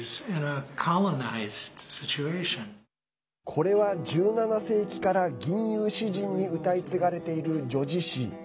これは１７世紀から吟遊詩人に歌い継がれている叙事詩。